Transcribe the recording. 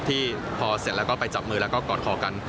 ที่พอเสร็จแล้วก็ไปจับมือแล้วก็กอดคอกัน